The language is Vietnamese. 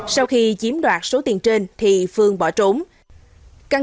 sau khi chiếm đoạt số tiền trên thì phương bỏ trốn